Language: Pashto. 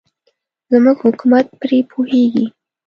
زموږ حکومت پرې پوهېږي.